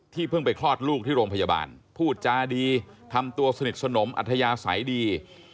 เพิ่งไปคลอดลูกที่โรงพยาบาลพูดจาดีทำตัวสนิทสนมอัธยาศัยดี